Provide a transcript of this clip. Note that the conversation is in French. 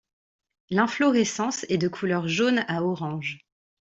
L'inflorescence est de couleur jaune à orange.